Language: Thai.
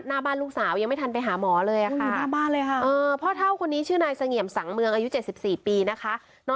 อยู่หน้าบ้านลูกสาวยังไม่ทันไปหาหมอเลยค่ะ